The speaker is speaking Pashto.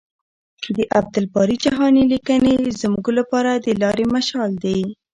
د عبدالباري جهاني لیکنې زموږ لپاره د لارې مشال دي.